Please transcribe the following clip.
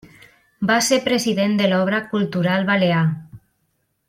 Va ser president de l'Obra Cultural Balear.